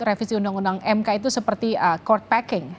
revisi undang undang mk itu seperti cord packing